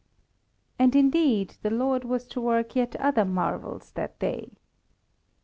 And, indeed, the Lord was to work yet other marvels that day.